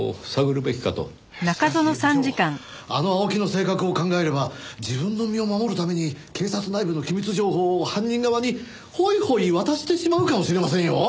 しかし部長あの青木の性格を考えれば自分の身を守るために警察内部の機密情報を犯人側にホイホイ渡してしまうかもしれませんよ！